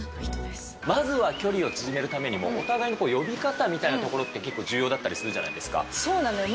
まずは距離を縮めるためにも、お互いの呼び方みたいなところって、結構重要だったりするじゃなそうだね。